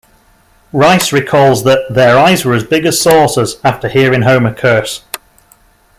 Reiss recalls that "their eyes were as big as saucers" after hearing Homer curse.